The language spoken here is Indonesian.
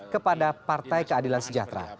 kepada partai keadilan sejahtera